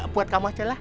buat kamu aja lah